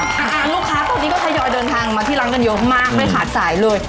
ลูกค้าตอนนี้ก็ทยอยเดินทางมาที่ร้านกันเยอะมากไม่ขาดสายเลย